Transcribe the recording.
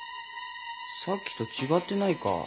さっきと違ってないか？